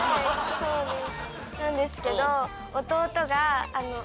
そうです。